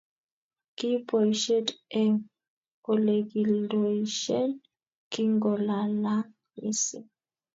Kiip boishet eng olegialdoishen kingolalang missing